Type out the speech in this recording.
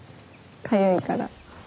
かゆいから。